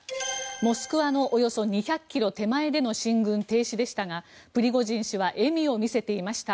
モスクワのおよそ２００ｋｍ手前での進軍停止でしたがプリゴジン氏は笑みを見せていました。